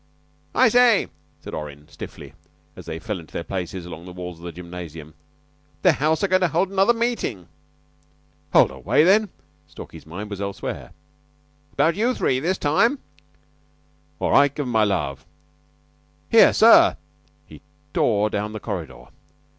"I say," said Orrin, stiffly, as they fell into their places along the walls of the gymnasium. "The house are goin' to hold another meeting." "Hold away, then." Stalky's mind was elsewhere. "It's about you three this time." "All right, give 'em my love... Here, sir," and he tore down the corridor.